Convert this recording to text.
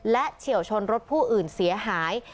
และเฉียวชนรถผู้อื่นเสียหาย